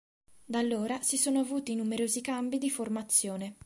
Da allora si sono avuti numerosi cambi di formazione.